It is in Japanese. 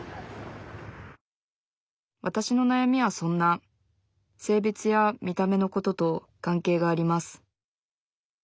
わたしのなやみはそんな性別や見た目のことと関係があります